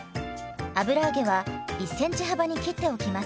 油揚げは１ｃｍ幅に切っておきます。